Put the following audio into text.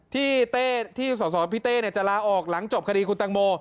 ที่สสพี่เต้จะลาออกหลังจบคดีคุณตังโม